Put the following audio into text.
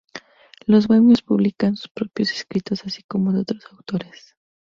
Los bohemios publicaban sus propios escritos así como de otros autores.